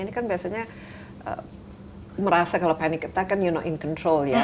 ini kan biasanya merasa kalau panic attack you're not in control ya